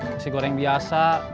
nasi goreng biasa